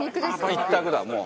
一択だ、もう。